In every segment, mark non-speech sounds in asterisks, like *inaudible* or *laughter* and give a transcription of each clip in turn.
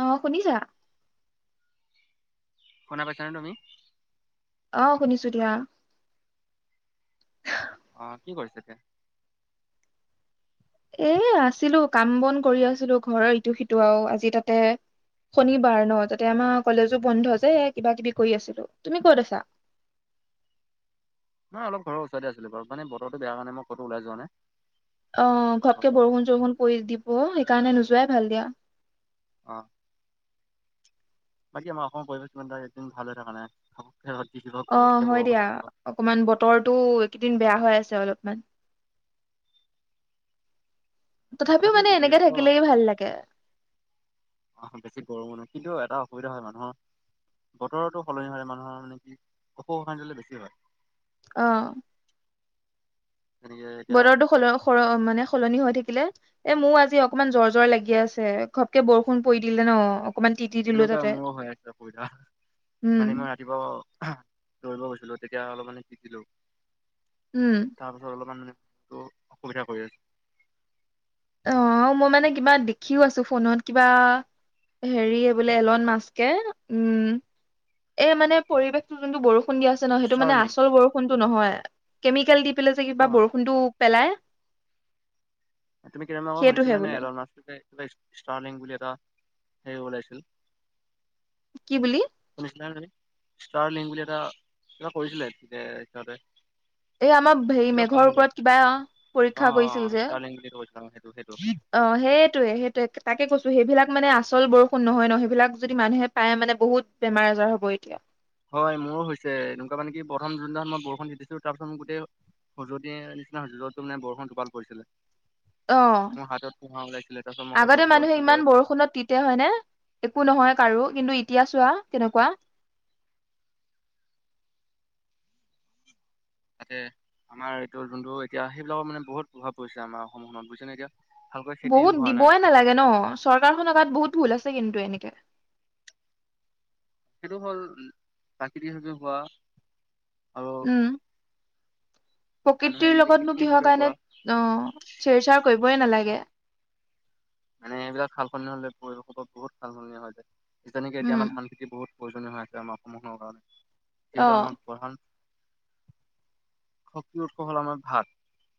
অহ শুনিছা? শুনা পাইছা নে তুমি? অহ শুনিছো দিয়া। অহ কি কৰিছা এতিয়া? এ আছিলো কাম বন কৰি আছিলো ঘৰৰ ইটো সিটোও আজি তাতে শনিবাৰ ন তাতে আমাৰ কলেজো বন্ধ যে এ কিবা কিবি কৰি আছিলো। তুমি ক'ত আছা? মই অলপ ঘৰৰ ওচৰতে আছিলোঁ মানে বতৰটো বেয়া কাৰনে মই কটো ওলাই যোৱা নাই। অহ ঘৰৰ ঘপকে ওচৰতে বৰষুণ বহি চৰষুণ আছো। পৰি দিব সেইকাৰণে নোযোৱাই ভাল দিয়া। অহ। বাকী আমাৰ অসমৰ পৰিৱেশ এএইকেইদিন ভাল হৈ থকা নাই ঘপকে ৰ'দ দি দিব অ ঘপকে হয় দিয়া বৰষুন দি দিব। অকমান বতৰটো এইকেইদিন বেয়া হৈ আছে অলপমান। মানে এনেকে তথাপিও থাকিলেই ভাল লাগে *unintelligible* অহ বেছি গৰমো নহয় কিন্তু এটা অসুবিধা হয় মানুহৰ বতৰতো সলনি হলে মানুহৰ মানে কি অসুখ অশান্তি অলপ বেছি হয়। অঁ। যেনেকে এতিয়া বতৰটো স স মানে সলনি হৈ থাকিলে এ মোৰ আজি অকনমান জ্বৰ জ্বৰ লাগি আছে। ঘপকে বৰষুণ পৰি দিলে ন অকমান তিতি দিলো তেনেকুৱা তাতে মোৰো উম। শিকিব দৌৰিব গৈছিলো তেতিয়া অলপ মানে তিতিলো। উম। তাৰপাছত অলপ মান টো অসুবিধা কৰি আছে। অহ মই মানে কিবা দেখিও আছো ফোনত কিবা হেৰিয়ে বোলে এলন মাস্কে উম এই মানে পৰিৱেশটো যোনটো বৰষুণ দি আ ছে ন সেইটো মানে ষ্টাৰ্লিং আচল সেইটো বৰষুনটো নহয় কেমিকেল দি পেলাই যে অ' কিবা বৰষুনটো পেলাই। তুমি কেইদিনমানৰ আগত সেইটোহে শুনিছিলা নে বোলে এলন মাস্কে ষ্টাৰ্লিং বুলি এটা হেৰি উলিয়াইছিল। কি বুলি? শুনিছিলা নে তুমি ষ্টাৰ্লিং বুলি এটা কিবা কৰিছিলে সিহঁতে। এই আমাৰ হেৰি সেইটো মেঘৰ পাহৰিলো ওপৰত কিবা পৰীক্ষা কৰিছিল অ' যে। ষ্টাৰলিংক বুলি কৈছিলা অ, সেইটো সেইটো। অহ সেইটোৱে সেইটোৱে তাকে কৈছো সেইবিলাক মানে আচল বৰষুণ নহয় ন সেইবিলাক যদি মানুহে পাই মানে বহুত বেমাৰ আজাৰ হব এতিয়া। হয় মোৰো হৈছে এনেকুৱা মানে কি প্ৰথম যোনদিনা মই বৰষুণ দি তিতিছো তাৰপিছত মোৰ গোটেই খুজতি নিচিনা হৈছে যত তোৰ মানে বৰষুন টোপাল পৰিছিলে। অ মোৰ হাতত পোহা ওলাইছিলে, তাৰপাছত মই আকৌ আগতে ডক্টৰ মানুহে ওচৰত ইমান গৈ বৰষুণত তিত। তে হয়নে একো নহয় কাৰো। কিন্তু এতিয়া চোৱা কেনেকুৱা। তাতে আমাৰ এইটো যোনটো এতিয়া সেইবিলাকৰ মানে বহুত প্ৰভাৱ পৰিছে। আমাৰ অসমখনত বুজিছে নে এতিয়া? ভালকৈ খেতি বহুত হোৱা নাই দিবই নালাগে ন? চৰকাৰখনৰ গাত বহুত ভুল আছে কিন্তু এনেকে। সেইটো হ'ল উম প্ৰাকৃতিকভাৱে হোৱা। আৰু উম। মানুহে প্ৰকৃতিৰ নিজে লগতনো কিহৰ কৃত্ৰিমভাৱে কাৰণে কৰা অহ চেৰ চাৰ কৰিবই নালাগে। মানে এইবিলাক সাল সলনি হ'লে পৰিৱেশত বহুত সালসলনি হৈ যায়। তেনেকে এতিয়া আমাৰ উম ধান খেতি বহুত। প্ৰয়োজনীয় হৈ আছে। আমাৰ সমূহৰ কাৰণে অ যিহেতু আমাৰ প্ৰধান। শক্তি উৎস হ'ল আমাৰ ভাত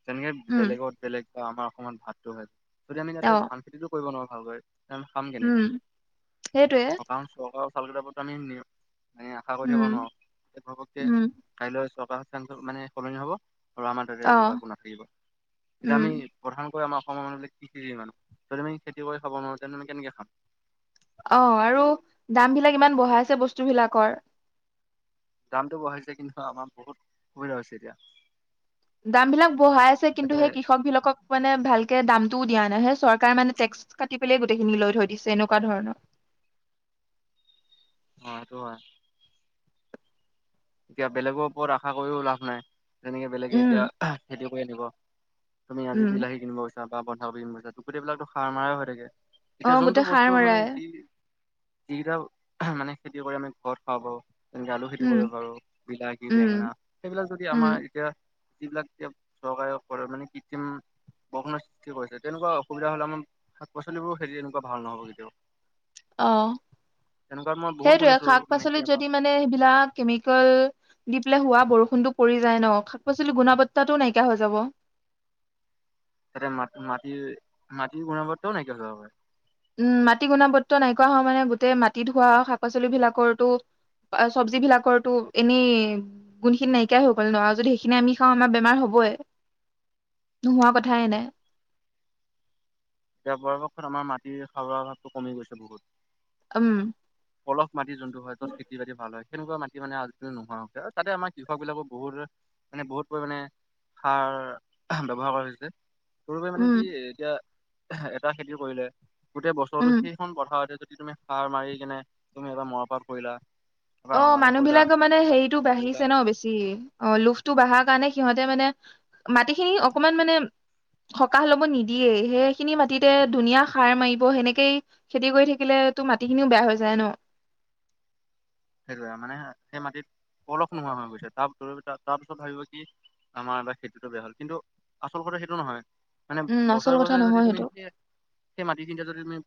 তেনেকে উম বেলেগত। বেলেগ বা আমাৰ অসমত ভাততো হয়। যদি আমি ইয়াতে অ ধান খেতিতো কৰিব নোৱাৰোঁ ভালকৈ। তেন খাম কেনেকে? উম সেইটোৱে অ কাৰণ চৰকা চাউল কেইটা ওপৰততো আমি নি মানে আশা কৰিব উম থাকিব নোৱাব। এ ঘপকে উম কাইলৈ চৰকাৰ সিদ্ধান্ত মানে সলনি হব। আৰু আমাৰ তাতে অ এনেকুৱা একো নাথাকিব। এতিয়া উম আমি প্ৰধানকৈ আমাৰ অসমৰ মানুহবিলাক কৃষিজীৱী মানুহ। যদি আমি খেতি কৰি খাব নোৱাৰো তেন্তে আমি কেনেকে খাম? অহ আৰু দাম বিলাক ইমান বঢ়াইছে বস্তু বিলাকৰ। দামটো বঢ়াইছে কিন্তু আমাৰ বহুত অসুবিধা হৈছে এতিয়া। দাম বিলাক বঢ়াইছে কিন্তু তাতে সেই কৃষক বিলাকক। মানে ভালকে দামটোও দিয়া নাই। সেই চৰকাৰ মানে টেক্স কাটি পেলাই গোটেইখিনি লৈ থৈ দিছে এনেকুৱা ধৰণৰ। অহ সেইটো হয়। এতিয়া বেলেগৰ ওপৰত আশা কৰিও লাভ নাই। তেনেকে বেলেগে এতিয়া উম আহ খেতি কৰি আনিব। তুমি আজি উম বিলাহী কিনিব। গৈছা বা বন্ধা কবি তুমিতো বিলাকো সাৰ মাৰা হৈ থাকে। অ এতিয়া যোনটো গোটেই সাৰ বস্তু মানে মাৰাই যি। যি কেইটা মানে খেতি কৰি আমি ঘৰত খাব পাৰোঁ। তেনেকে আলু খেতি উম কৰিব পাৰোঁ। বিলাহী, বেঙেনা। উম সেইবিলাক যদি আমাৰ উম এতিয়া। যি বিলাক এতিয়া সহায়ক কৰে মানে কৃত্ৰিম। বৰষুণৰ সৃষ্টি কৰিছে। তেনেকুৱা অসুবিধা হ'লে আমাৰ শাক পাচলিবোৰ খেতি তেনেকুৱা ভাল নহব কেতিয়াও। অহ তেনেকুৱা মই বহুত সেইটোৱে শুনিছো শাক মানে কি পাচলিত আমাৰ যদি মানে সেইবিলাক কেমিকেল। দি পেলাই হোৱা বৰষুণটো পৰি যায় ন শাক পাচলিৰ গুণাবত্তাটো নাইকীয়া হৈ যাব। এতিয়া মাট মাটিৰ মাটিৰ গুণাবত্তাও নাইকীয়া হৈ যাব পাৰে। উম মাটি গুণাবত্তাৰ নাইকোৱা হোৱা মানে গোটেই মাটি ধোৱা শাক পাচলিব বিলাকৰতো। অহ চব্জি বিলাকৰতো এনেই। গুণখিনি নাইকীয়াই হৈ গল ন আৰু যদি সেইখিনি আমি খাওঁ আমাৰ বেমাৰ হবই। নোহোৱা কথাই নাই। এতিয়া পৰাপক্ষত আমাৰ মাটিৰ সাৰুৱা অভাৱটো কমি গৈছে বহুত। উম। পলহ মাটি যোনটো হয়। যত খেতি বাতি ভাল হয়। সেনেকুৱা মাটি মানে আজিকালি নোহোৱাও হৈছে তাতে আমাৰ কৃষক বিলাকো বহুত মানে বহুত পৰিমানে। সাৰ আহ ব্যৱহাৰ কৰিছে। সৰুপাই মানে উম কি এতিয়া এহ এটা খেতি কৰিলে। গোটেই বছৰটো উম সেইখন পথাৰতে যদি তুমি। সাৰ মাৰি কিনে তুমি এবাৰ মৰাপাট পৰিলা। অ'হ মানুহ বিলাকৰ মানে হেৰিতো ধান কৰিলা বাঢ়িছে ন বেছি? অহ লোভটো বাঢ়াৰ কাৰণে সিহঁতে মানে মাটিখিনি অকনমান মানে। সকাহ লব নিদিয়েই। সেইখিনি মাটিতে দুনিয়া সাৰ মাৰিব সেনেকেই। খেতি কৰি থাকিলেতো মাটিখিনিও বেয়া হৈ যায় ন? সেইটোৱে, মানে সেই মাটিত পলস নোহোৱা হৈ গৈছে তাৰ-তাৰপিছত ভাবিব কি আমাৰ এইবাৰ খেতিটো বেয়া হ'ল কিন্তু আচল কথা সেইটো নহয়। মানে উম আচল বছৰে কথা বছৰে যদি নহয় তুমি সেইটো সিয়ে সেই মাটিখিনিতে যদি তুমি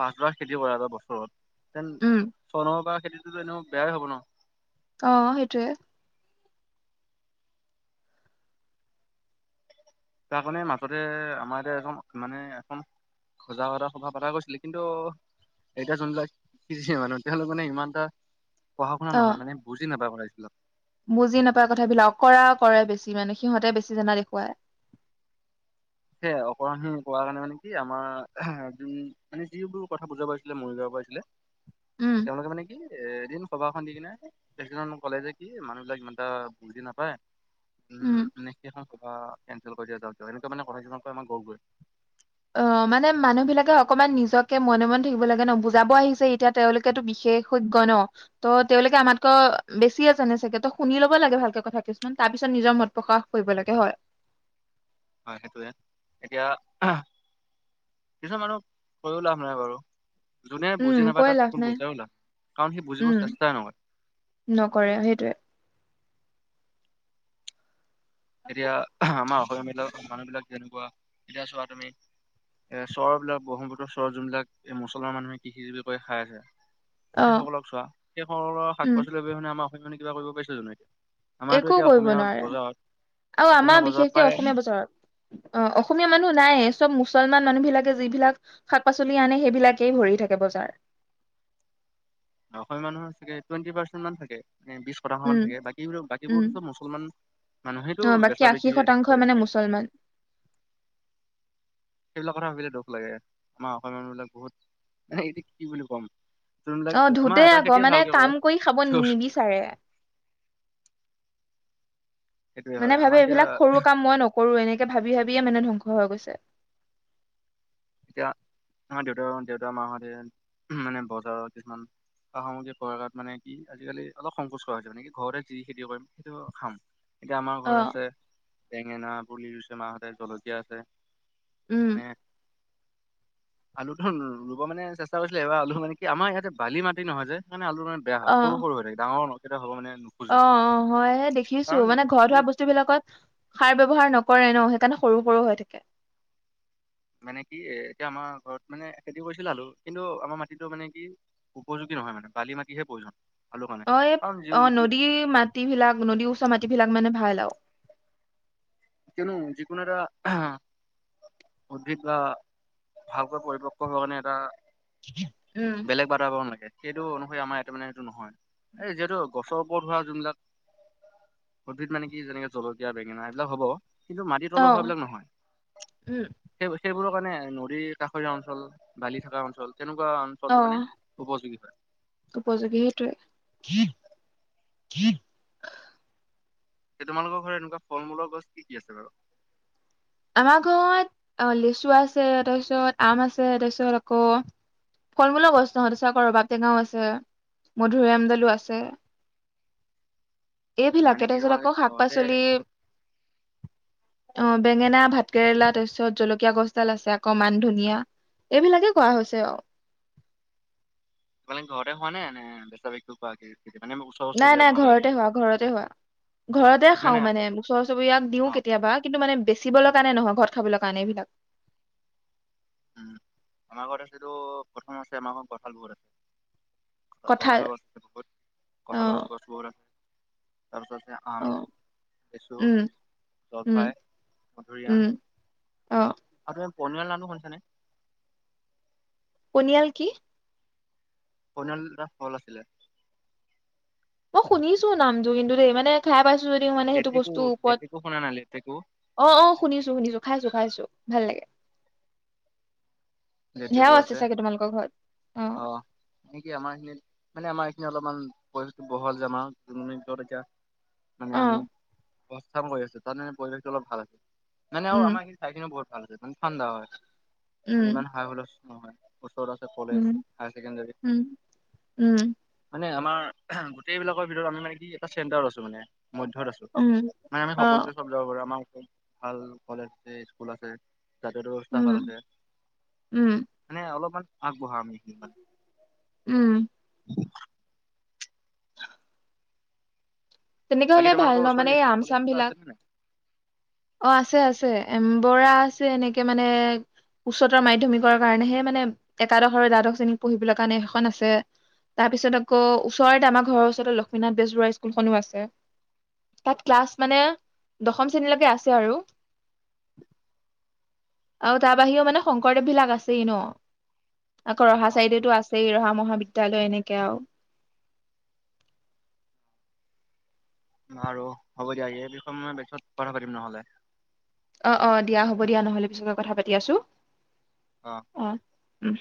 পাছ বাৰ খেতি কৰা এক বছৰত, তেন উম চনৰ পৰা খেতি টো এনেও বেয়াই হব ন'। অহ, সেইটোৱে। তাৰমানে মাজতে আমাৰ এটে এখন মানে এখন সজাগতা সভা পাতা গৈছিলে কিন্তু এতিয়া যোনবিলাক কৃষি মানুহ তেওঁলোক মানে ইমান এটা পঢ়া শুনা অ নহয়, মানে বুজি নাপায় কথাবিলাক। বুজি নাপায় কথাবিলাক অকৰা কৰে বেছি মানে, সিহঁতে বেছি জানা দেখুৱায়। সেইয়ে অকৰাহি কৰাৰ কাৰণে মানে কি আমাৰ যোন মানে যিবোৰ কথা বুজাব আহিছিলে মৰিগাঁওৰ পৰা আহিছিলে। *inaudible* তেওঁলোকে মানে কি এ এদিন সভাখন দি কেনে, এজনে মোক ক'লে যে কি মানুহবিলাক ইমান এটা বুুলজি নাপায়। উম, এনেকে এখন সভা কেঞ্চেল কৰি দিয়া যাওক, এনেকুৱা মানে কথা কিছুমান কয় মই গ-গৈ অহ, মানে মানুহবিলাকে অকমান নিজকে মনে মনে থাকিব লাগে ন' বুজাব আহিছে এতিয়া তেওঁলোকেতো বিশেষ বিশেষজ্ঞ ন'। ত' তেওঁলোকে আমাতকৈ বেছিয়ে জানে চাগে, ত' শুনি ল'ব লাগে ভালকে কথা কিছুমান তাৰপিছত নিজৰ মত প্ৰকাশ কৰিব লাগে হয়। হয় সেইটোৱে, এতিয়া কিছুমান মানুহক কৈও লাভ নাই বাৰু। যোনে উম বুজি নাপায় কৈ তাক লাভ কোনো নাই বুজাইও লাভ কাৰণ সি বুজিব উম চেষ্টাই নকৰে। নকৰে, সেইটোৱে। এতিয়া আমাৰ অসমীয়াবিলাক মানুহবিলাক, যেনেকুৱা এতিয়া চোৱা তুমি এ চৰবিলাক ব্ৰহ্মপুত্ৰ চৰ যোনবিলাক এই মুছলমান মানুহে কৃষিজীৱি কৰি খায় আছে। অ সেইসকলক চোৱা সেইসকলৰ পৰা শাক উম পাচলি অবিহনে আমাৰ অসমীয়া মানুহে কিবা কৰিব পাৰিছে জানোঁ। একো আমাৰতো এতিয়া কৰিব অসমীয়া নোৱাৰে বজাৰত আৰু আমাৰ অসমীয়া বিশেষকে প্ৰায় অসমীয়া বজাৰত অহ, অসমীয়া মানুহ নাইয়ে চব মুছলমান মানুহবিলাকে যিবিলাক শাক-পাচলি আনে সেইবিলাকেই ভৰি থাকে বজাৰ। অসমীয়া মানুহৰ চাগে টুৱেনন্টি পাৰ্চেন্ট মান থাকে। বিশ শতাংশ মান উম থাকে, উম বাকী-বাকীবোৰতো চব মুছলমান মানুহেটো অ বাকী বেচা আশী বিক্ৰিবোৰ শতাংশই কৰি মানে থাকে। মুছলমান সেইবিলাক কথা ভাবিলে দুখ লাগে আমাৰ অসমীয়া মানুহবিলাক বহুত মানে এইটো কি বুলি ক'ম। যোনবিলাক অহ, আমাৰ ধোতেই এটা আকৌ খেতিয়ে মানে ভালকে কৰে কাম কৰি খাব নিবিচাৰে। সেইটোয়ে মানে হয় আমাৰ ভাবে এতিয়া এইবিলাক সৰু কাম মই নকৰো, এনেকে ভাবি ভাবিয়ে মানে ধ্বংস হৈ গৈছে। এতিয়া আমাৰ দেউতাৰ, দেউতাৰ মাহঁতে মানে বজাৰৰ কিছুমান সা-সামগ্ৰী কৰোৱাত মানে কি আজিকালি অলপ সংকোচ কৰা হৈছে। মানে কি ঘৰতে যি খেতি কৰিম সেইটোৱে খাম। এতিয়া আমাৰ অ ঘৰত আছে, বেঙেনা পুলি ৰুছে মাহঁতে জলকীয়া আছে। উম। মানে আলুটো ৰুব মানে চেষ্টা কৰিছিলে, এবাৰ আলু মানে কি আমাৰ ইয়াতে বালি মাটি নহয় যে মানে আলু বেয়া হয় সৰু সৰু হৈ থাকে, ডাঙৰ কেইতা হ'ব মানে নোখোজে অহ', অহ', হয়, সেই দেখিছোঁ কাৰণ মানে ঘৰত হোৱা যিকোনো বস্তু বস্তুবিলাকত সাৰ ব্যৱহাৰ নকৰে ন' সেইকাৰণে সৰু সৰু হৈ থাকে। মানে কি এতিয়া আমাৰ ঘৰত মানে খেতি কৰিছিল আলু কিন্তু আমাৰ মাটিটো মানে কি উপযোগী নহয় মানে বালি মাটিহে প্ৰয়োজন। আলুৰ কাৰণে অ', এই কাৰণ অহ যি- যি- নদী মাটি বিলাক নদী উচৰৰ মাটিভিলাক মানে ভাল আৰু। কিয়নো যিকোনো এটা উদ্ভিদ বা ভালকৈ পৰিপক্ক হোৱাৰ কাৰণে এটা উম। বেলেগ বাতাবৰণ লাগে। সেইটো অনুসৰি আমাৰ ইয়াত মানে এইটো নহয়। এই যিহেতু গছৰ ওপৰত হোৱা যোনবিলাক উদ্ভিদ মানে কি যেনেকে জলকীয়া বেঙেনা এইবিলাক হ'ব। কিন্তু মাটিৰ অ তলৰ হোৱা বিলাক নহয়। উম সেই, সেইবোৰৰ কাৰণে নদীৰ কাষৰীয়া অঞ্চল, বালি থকা অঞ্চল, তেনেকুৱা অঞ্চল অ মানে উপযোগী হয়। উপযোগী সেইটোৱে। এ তোমালোকৰ ঘৰত এনেকুৱা ফল মূলৰ গছ কিকি আছে বাৰু? আমাৰ ঘৰত অ', লেচু আছে, তাৰপিছত আম আছে, তাৰপিছত আকৌ ফল মূলৰ গছ নহয়, তাৰ পাছত আকো ৰবাব টেঙাও আছে, মধুৰীআমদালো আছে। মানে এইভিলাকে, কি তাৰপিছত তোমালোকে আকৌ শাক ঘৰতে পাচলি অ'। বেঙেনা, ভাত কেৰেলা, তাৰ পিছত জলকীয়া গছডাল আছে আকো মান ধনীয়া। এইভিলাকে কৰা হৈছে আৰু। মানে ঘৰতে হোৱানে এনে *unintelligible* সেইকাৰণে মই কৈছোঁ। নাই নাই ঘৰতে হোৱা, ঘৰতে হোৱা ঘৰতে নে নে খাওঁ মানে অকল আমি। ওচৰ চুবুৰীয়াক দিওঁ অ কেতিয়াবা, কিন্তু মানে বেচিবলৈ কাৰণে নহয় ঘৰত খাবলৈ কাৰণে এইবিলাক। উম আমাৰ ঘৰত আছেটো প্ৰথম আছে আমাৰ ঘৰত কঁঠাল বহুত আছে। কঠ কঁঠাল কঁঠালৰ গছ আছে বহুত, অ কঁঠালৰ গছ বহুত আছে তাৰপিছত আ অ আম, লেচু, উম জলফাই, উম মধুৰিআম। উম অ'। আৰু তুমি পনিয়াল নামটো শুনিছানে? পনিয়াল কি? পনিয়াল এটা ফল আছিলে। মই শুনিছো নামটো কিন্তু দেই, মানে খাই পাইছোঁ যদিও মানে সেইটো লেটেকু বস্তুৰ ওপৰত লেটেকু শুনা নাই লেটেকু অ', অ', শুনিছোঁ শুনিছোঁ, খাইছোঁ, খাইছোঁ, ভাল লাগে। সেয়াও আছে চাগে তোমালোকৰ ঘৰত, অ'। এনে কি আমাৰ এখিনিত মানে আমাৰ এইখিনি অলপমান পৰিস্থিতি বহল যে আমাৰ দুই মিনিটত এতিয়া মানে অ আমি অবস্থান কৰি আছো তাত মানে পৰিৱেশটো অলপ ভাল আছে, মানে আৰু উম আমাৰ ঠাইখিনি বহুত ভাল আছে, মানে ঠাণ্ডা হয় মানে উম ইমান হাই হুলস্থূল নহয়। ওচৰত আছে college um higher secondary. Um um মানে আমাৰ গোটেইবিলাকৰ ভিতৰত আমি মানে কি চেণ্টাৰত আছোঁ মানে মধ্যত আছোঁ। উম আমি মানে অ *unintelligible* চব যাব পাৰে, আমাৰ খুব ভাল কলেজ আছে স্কুল আছে, যাতায়ত ব্যৱস্থা উম ভাল আছে। উম। মানে অলপমান আগবঢ়া আমি উম। অ তেনেকা বাকী হ'লে ভাল তোমালোকৰ ন, ওচৰত মানে স্কুল আম কলেজ চাম কিবা আছে বিলাক নে নাই অ', আছে আছে, এম্বৰা আছে, এনেকে মানে উচ্চতৰ মাধ্যমিকৰ কাৰণেহে মানে, একাদশ আৰু দ্বাদশ শ্ৰেণীক পঢ়িবলৈকাৰণে সেইখন আছে। তাৰ পিছত আকৌ ওচৰতে আমাৰ ঘৰৰ ওচৰতে লক্ষ্মীনাথ বেজবৰুৱা স্কুলখনো আছে। তাত ক্লাছ মানে, দশম শ্ৰেণীলৈকে আছে আৰু। আৰু তাৰ বাহিৰেও মানে শংকৰদেৱ বিলাক আছেই ন। আকৌ অ ৰহা চাৰিআলিটো আছ এই ৰহা মহাবিদ্যালয় এনেকে আৰু। আৰু, হ'ব দিয়া এই বিষয়ে মই পিছত কথা পাতিম নহ'লে। অ', - অ', দিয়া হ'ব দিয়া নহলে পিছত মই কথা পাতি আছো। অঁ। অঁ', উম।